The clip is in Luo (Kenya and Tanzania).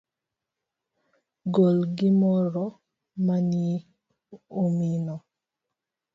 Gol gimoro manieumino.